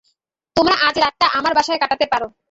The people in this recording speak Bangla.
তোমরা আজরাতটা আমার বাসায় কাটাতে পারো।